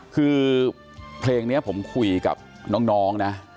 คือเพลงนี้ผมคุยกับน้องนะ